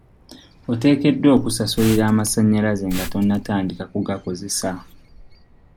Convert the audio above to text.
Oteekeddwa okusasulira amasannyalaze nga tonnatandika kugakozesa.